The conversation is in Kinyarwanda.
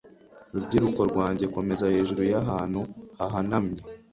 rubyiruko rwanjye, komeza! hejuru y'ahantu hahanamye